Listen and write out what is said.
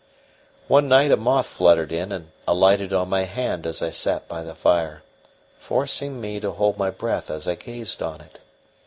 One night a moth fluttered in and alighted on my hand as I sat by the fire, causing me to hold my breath as I gazed on it.